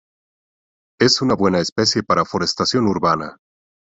Es una buena especie para forestación urbana.